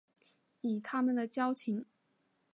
以他们的交情